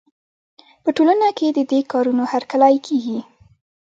په ټولنه کې د دې کارونو هرکلی کېږي.